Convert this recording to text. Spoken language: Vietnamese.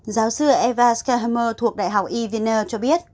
giáo sư eva schermer thuộc đại học e viner cho biết